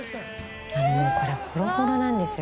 これほろほろなんですよ。